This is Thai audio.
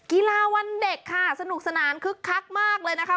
วันเด็กค่ะสนุกสนานคึกคักมากเลยนะคะ